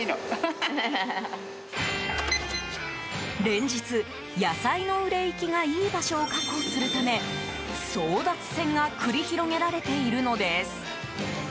連日、野菜の売れ行きがいい場所を確保するため争奪戦が繰り広げられているのです。